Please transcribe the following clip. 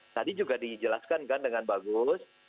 tadi juga dijelaskan kan dengan bagus